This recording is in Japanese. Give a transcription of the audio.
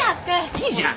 いいじゃん。